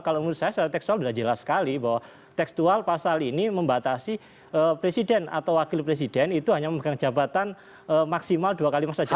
kalau menurut saya secara tekstual sudah jelas sekali bahwa tekstual pasal ini membatasi presiden atau wakil presiden itu hanya memegang jabatan maksimal dua kali masa jabatan